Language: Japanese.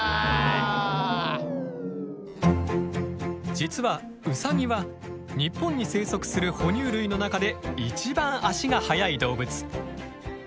実はウサギは日本に生息する哺乳類の中で一番足が速い動物。